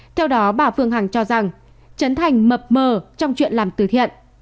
theo đó bà phương hằng cho rằng chấn thành mập mờ trong chuyện làm từ thiện